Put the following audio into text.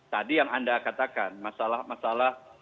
tadi yang anda katakan masalah masalah